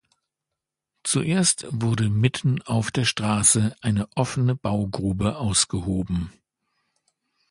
Zuerst wurde mitten auf der Straße eine offene Baugrube ausgehoben.